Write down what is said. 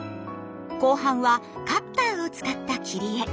後半はカッターを使った切り絵。